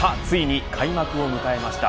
ついに開幕を迎えました